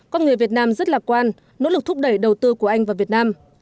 con người việt nam rất lạc quan nỗ lực thúc đẩy đầu tư của anh và việt nam